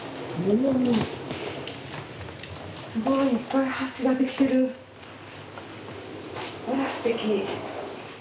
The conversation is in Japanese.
すごいいっぱい足が出来てるわあすてき！